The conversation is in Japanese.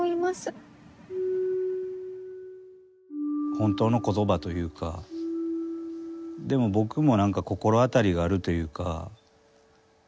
本当の言葉というかでも僕も何か心当たりがあるというか。